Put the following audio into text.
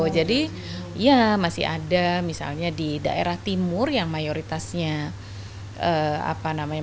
jadi ya masih ada misalnya di daerah timur yang mayoritasnya apa namanya